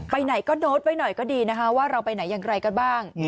ไปไหนก็โดดไว้หน่อยก็ดีนะคะว่าเราไปไหนอย่างไรกันบ้าง